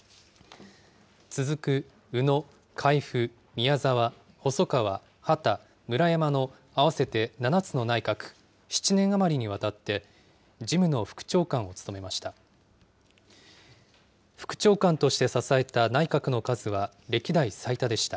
続く宇野、海部、宮沢、細川、羽田、村山の合わせて７つの内閣、７年余りにわたって、事務の副長官を務めました。